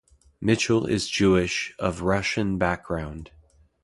Mitchell is Jewish, of Russian background.